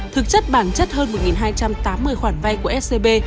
thực chất bản chất hơn một hai trăm tám mươi khoản vay của scb